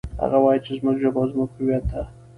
هغه وایي چې زموږ ژبه زموږ هویت ده